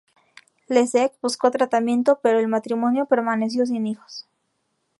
Leszek buscó tratamiento, pero el matrimonio permaneció sin hijos.